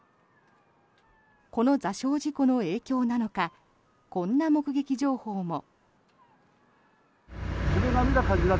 この座礁事故の影響なのかこんな目撃情報も。